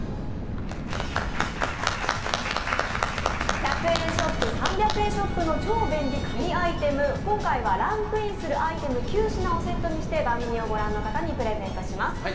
１００円ショップ、３００円ショップの神アイテム、今回はランクインするアイテム９品をセットにして番組を御覧の方にプレゼントします。